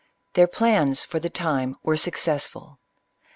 Their plans, for the time, were successful.